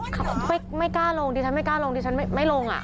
ไม่กล้าลงดิฉันไม่กล้าลงดิฉันไม่ลงอ่ะ